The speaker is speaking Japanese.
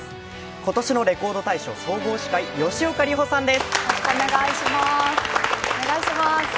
今年のレコード大賞総合司会、吉岡里帆さんです。